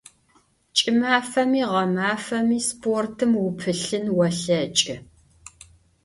Ç'ımafemi ğemafemi sportım vupılhın volheç'ı.